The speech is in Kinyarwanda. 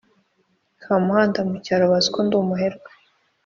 kamuhanda mucyaro baziko ndumuherwe